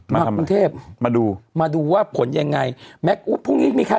มากรุงเทพมาดูมาดูว่าผลยังไงแม็กอุ๊บพรุ่งนี้มีใคร